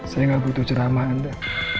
saya nggak butuh ceramah anda